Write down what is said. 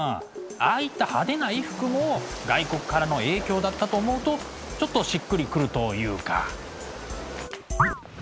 ああいった派手な衣服も外国からの影響だったと思うとちょっとしっくり来るというか。